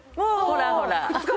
ほらほら。